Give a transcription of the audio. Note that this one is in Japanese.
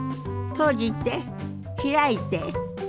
閉じて開いて。